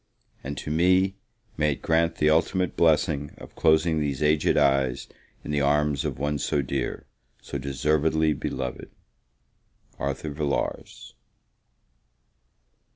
And to me, may it grant, the ultimate blessing of closing these aged eyes in the arms of one so dear so deservedly beloved! ARTHUR VILLARS.